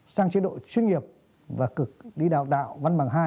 sang chế độ chuyên nghiệp và cực đi đào tạo văn bằng hai